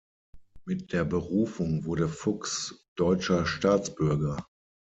Mit der Berufung wurde Fuchs deutscher Staatsbürger.